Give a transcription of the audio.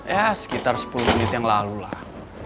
ya sekitar sepuluh menit yang lalu lah